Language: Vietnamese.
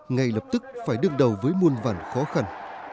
ngay lập tức phải đương đầu với muôn vàn khó khăn